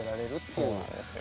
そうなんですよ。